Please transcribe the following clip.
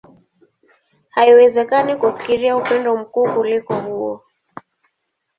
Haiwezekani kufikiria upendo mkuu kuliko huo.